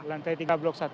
lantai tiga blok satu